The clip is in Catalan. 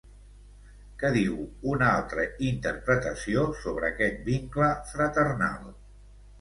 Què diu una altra interpretació sobre aquest vincle fraternal?